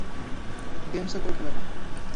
গেমসও কেউ খেলে না।